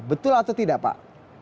betul atau tidak pak